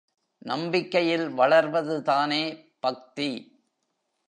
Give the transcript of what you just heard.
நம்பிக்கையில் வளர்வதுதானே பக்தி.